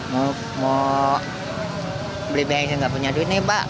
mau beli bensin gak punya duit nih pak